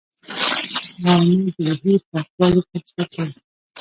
غرمه د روحي پاکوالي فرصت دی